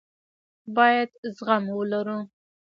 بايد زغم ولرو.